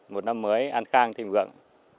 một năm mới an khang thịnh vượng